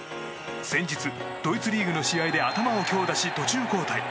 先日、ドイツリーグの試合で頭を強打し途中交代。